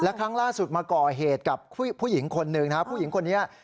และครั้งล่าสุดมาก่อเหตุกับผู้หญิงคนนึงผู้หญิงคนนี้